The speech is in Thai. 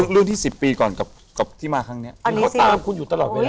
รุ่นที่สิบปีก่อนกับกับที่มาครั้งเนี้ยอันนี้สิเขาตามคุณอยู่ตลอดเวลา